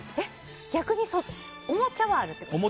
逆におもちゃはあるってことですか？